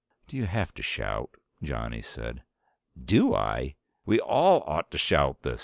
"Do you have to shout?" Johnny said. "Do I? We all ought to shout this.